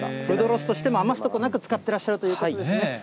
フードロスとして、余すことなく使ってらっしゃるということですね。